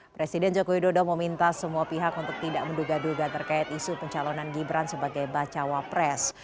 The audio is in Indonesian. presiden jokowi dodo meminta semua pihak untuk tidak menduga duga terkait isu pencalonan gibran sebagai bacawa pres